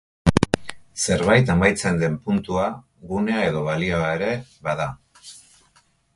Zerbait amaitzen den puntua, gunea edo balioa ere bada.